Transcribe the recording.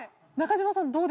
中島さん